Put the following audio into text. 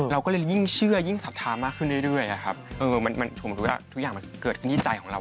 เราก็เลยยิ่งเชื่อยิ่งศัพทามากขึ้นเรื่อยทุกอย่างเกิดขึ้นในใจของเรา